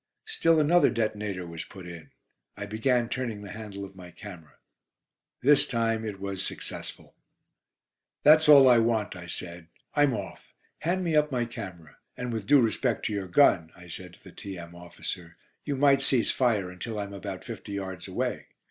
Still another detonator was put in. I began turning the handle of my camera. This time it was successful. "That's all I want," I said. "I'm off. Hand me up my camera. And with due respect to your gun," I said to the T.M. officer, "you might cease fire until I am about fifty yards away.